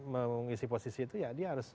mengisi posisi itu ya dia harus